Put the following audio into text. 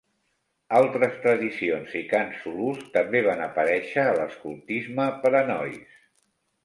Altres tradicions i cants zulús també van aparèixer a l'escoltisme per a nois.